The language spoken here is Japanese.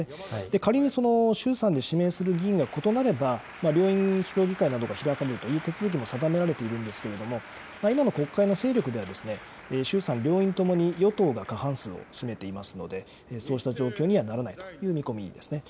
仮にその衆参で指名する議員が異なれば両院評議会などが開かれるという手続きも定められているんですけれども、今の国会の勢力では、衆参両院ともに与党が過半数を占めていますので、そうした状況にはならないという見込みですね。